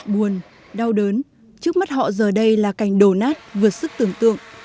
buồn đau đớn trước mắt họ giờ đây là cảnh đổ nát vượt sức tưởng tượng